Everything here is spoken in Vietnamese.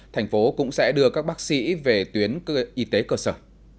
thành phố cũng sẽ đưa các bác sĩ về tuyến y tế cơ sở